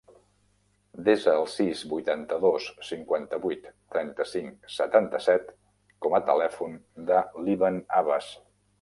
Desa el sis, vuitanta-dos, cinquanta-vuit, trenta-cinc, setanta-set com a telèfon de l'Evan Abbas.